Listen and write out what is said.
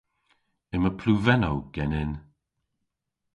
Yma pluvennow genen.